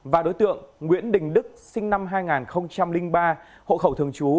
và đối tượng nguyễn đình đức sinh năm hai nghìn ba hộ khẩu thường trú